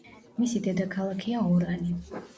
მისი დედაქალაქია ორანი.